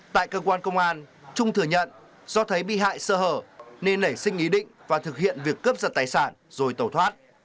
tại cơ quan công an trung thừa nhận do thấy bị hại sơ hở nên nảy sinh ý định và thực hiện việc cướp giật tài sản rồi tẩu thoát